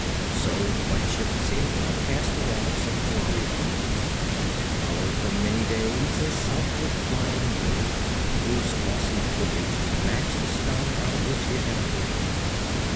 So the White Ship sailed on past the walls of Thalarion, and followed for many days a southward flying bird, whose glossy plumage matched the sky out of which it had appeared.